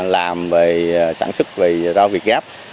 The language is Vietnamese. làm về sản xuất về rau việc gáp